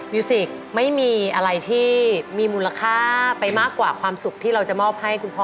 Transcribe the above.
มิวสิกไม่มีอะไรที่มีมูลค่าไปมากกว่าความสุขที่เราจะมอบให้คุณพ่อ